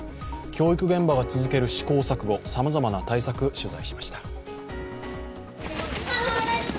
教育現場が続ける試行錯誤、さまざまな対策、取材しました。